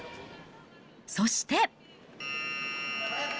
そして。